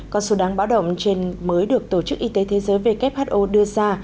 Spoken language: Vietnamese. còn số đáng bão động trên mới được tổ chức y tế thế giới who đưa ra